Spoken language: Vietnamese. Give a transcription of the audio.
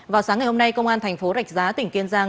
vào sáng ngày hôm nay công an thành phố rạch giá tỉnh kiên giang